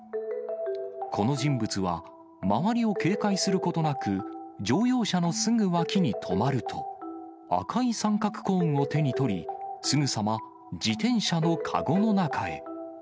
この人物は周りを警戒することなく、乗用車のすぐ脇に止まると、赤い三角コーンを手に取り、すぐさま自転車の籠の中へ。